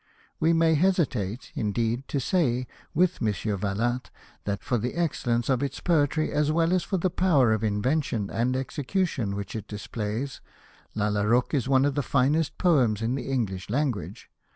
We may hesitate, indeed, to say with M. Vallat that '' for the excellence of its poetr}^ as well as for the power of invention and execution which it displays, Lalla Rookh is one of the finest poems in the Enghsh language."